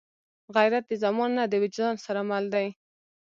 غیرت د زمان نه، د وجدان سره مل دی